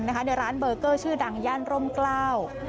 ในร้านเบอร์เกอร์ชื่อดังย่านร่มกล้า